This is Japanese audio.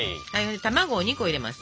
卵を２個入れます。